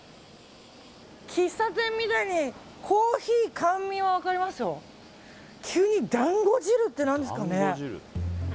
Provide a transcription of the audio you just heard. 喫茶店みたいにコーヒー、甘味は分かりますけど急に、だんご汁って何ですかね。